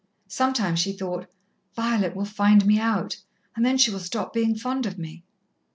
Sometimes she thought, "Violet will find me out, and then she will stop being fond of me."